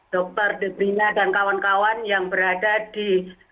dr debrina dan kawan kawan yang berada di